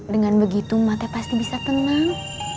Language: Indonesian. dengan begitu emak ate pasti bisa tenang